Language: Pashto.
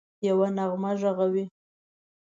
یوه نغمه ږغوي